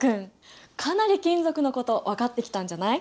かなり金属のこと分かってきたんじゃない？